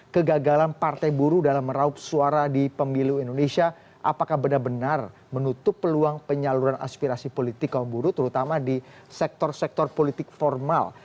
kegagalan partai buruh dalam meraup suara di pemilu indonesia apakah benar benar menutup peluang penyaluran aspirasi politik kaum buruh terutama di sektor sektor politik formal